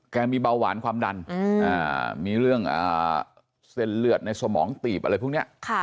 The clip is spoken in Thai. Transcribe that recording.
มีเบาหวานความดันมีเรื่องเส้นเลือดในสมองตีบอะไรพวกนี้